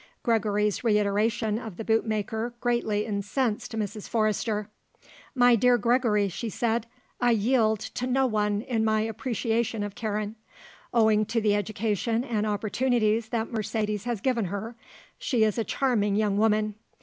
Gregory's reiteration of the bootmaker greatly incensed Mrs. Forrester. "My dear Gregory," she said, "I yield to no one in my appreciation of Karen; owing to the education and opportunities that Mercedes has given her, she is a charming young woman.